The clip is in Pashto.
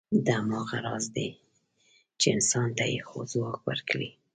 دا هماغه راز دی، چې انسان ته یې ځواک ورکړی.